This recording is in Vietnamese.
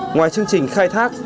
ngoài chương trình khai thác